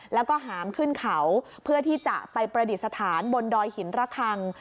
แล้วก็หามขึ้นเขาเพื่อที่จะไปประดิษฐานบนดอยหินระคัง